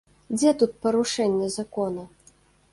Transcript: Дзе тут парушэнне закона?